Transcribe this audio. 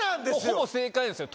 ほぼ正解ですよ